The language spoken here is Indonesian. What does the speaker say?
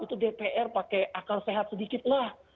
itu dpr pakai akal sehat sedikit lah